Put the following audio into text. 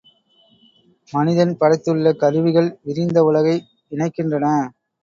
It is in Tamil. மனிதன் படைத்துள்ள கருவிகள், விரிந்த உலகை இணைக்கின்றன.